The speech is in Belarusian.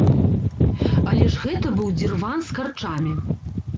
Але ж гэта быў дзірван з карчамі.